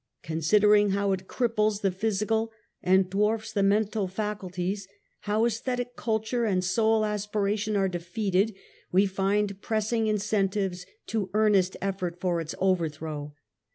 Considering how it cripples the physical and dwarfs the mental faculties, how aesthetic culture and soul aspiration are defeated, we find pressing incentives to earnest effort for its overthrow.